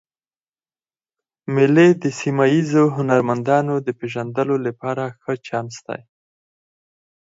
مېلې د سیمه ییزو هنرمندانو د پېژندلو له پاره ښه چانس دئ.